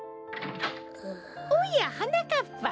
おやはなかっぱ。